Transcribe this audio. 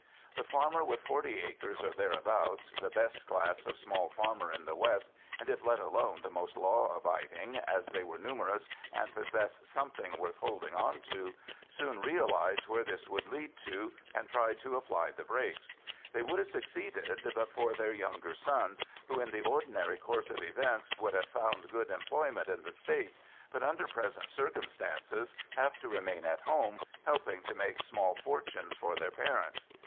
The farmer with forty acres or thereabouts—the best class of small farmer in the west, and if let alone the most law abiding, as they are numerous and possess something worth holding on to—soon realised where this would lead to, and tried to apply the brakes. They would have succeeded but for their younger sons, who, in the ordinary course of events, would have found good employment in the States, but under present circumstances have to remain at home helping to make small fortunes for their parents.